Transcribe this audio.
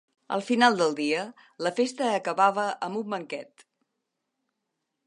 Al final del dia la festa acabava amb un banquet.